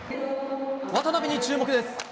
渡辺に注目です。